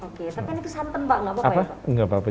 oke tapi kan itu santan pak nggak apa apa ya pak